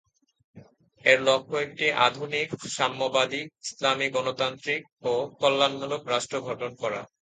এর লক্ষ্য একটি আধুনিক, সাম্যবাদী, ইসলামী গণতান্ত্রিক ও কল্যাণমূলক রাষ্ট্র গঠন করা।